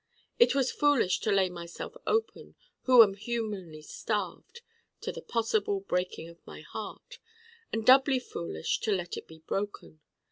It was foolish to lay myself open, who am humanly starved, to the possible Breaking of my Heart: and doubly foolish to let it be Broken.